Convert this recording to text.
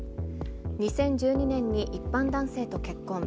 ２０１２年に一般男性と結婚。